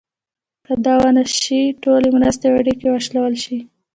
که دا ونه شي ټولې مرستې او اړیکې وشلول شي.